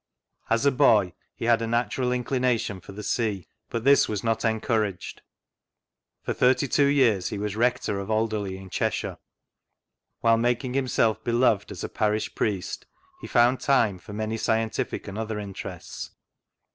As a boy, hd had a natural inclination for the sea, but this was not encouraged. For thirty two years he was Rector of Alderley, in Cheshire. While making himself bdoved as a Parish Priest, he found time for many scientific and other interests.